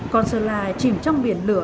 con sơ la chìm trong biển lửa